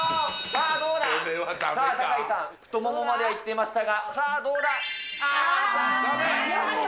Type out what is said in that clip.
さあ、酒井さん、太ももまではいっていましたが、さあ、どうだ。